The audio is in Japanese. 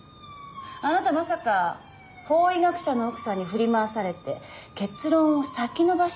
あなたまさか法医学者の奥さんに振り回されて結論を先延ばしにしているんじゃない？